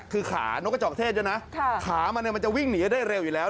คือขานกระจอกเทศนะค่ะขามันมันจะวิ่งหนีได้เร็วอยู่แล้ว